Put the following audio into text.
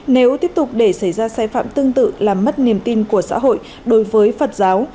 nếu tiếp tục để xảy ra sai phạm tương tự làm mất niềm tin của xã hội đối với phật giáo